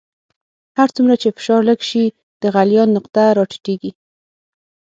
هر څومره چې فشار لږ شي د غلیان نقطه را ټیټیږي.